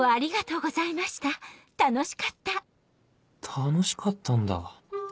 楽しかったんだ